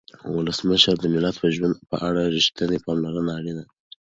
ولسمشره د ملت د ژوند په اړه رښتینې پاملرنه اړینه ده.